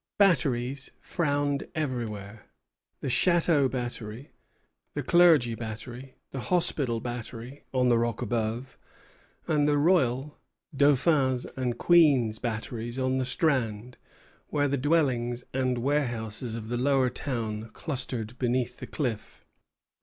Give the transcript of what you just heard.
Batteries frowned everywhere; the Château battery, the Clergy battery, the Hospital battery, on the rock above, and the Royal, Dauphin's, and Queen's batteries on the strand, where the dwellings and warehouses of the lower town clustered beneath the cliff.